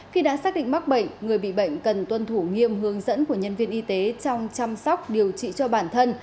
khi đã xác định mắc bệnh người bị bệnh cần tuân thủ nghiêm hướng dẫn của nhân viên y tế trong chăm sóc điều trị cho bản thân